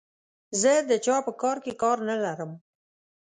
زه د چا په کار کې کار نه لرم.